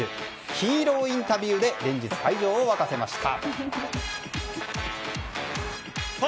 ヒーローインタビューで連日、会場を沸かせました。